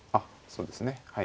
そうですねはい。